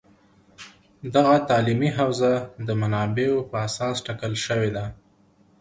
دغه تعلیمي حوزه د منابعو په اساس ټاکل شوې ده